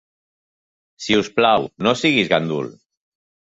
Si us plau, no siguis gandul.